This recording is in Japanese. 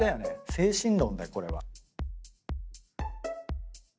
精神論だよこれは。